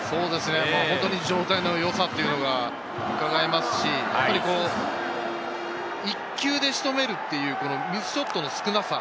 本当に状態のよさというのがうかがえますし、１球で仕留めるというミスショットの少なさ。